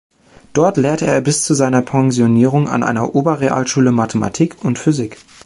Dort lehrte er bis zu seiner Pensionierung an einer Oberrealschule Mathematik und Physik.